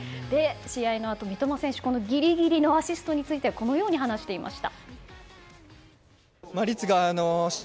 試合のあと、三笘選手はギリギリのアシストについてこのように話していました。